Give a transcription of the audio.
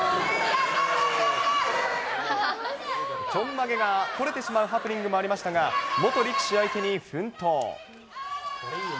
ちょんまげが取れてしまうハプニングもありましたが、元力士相手に奮闘。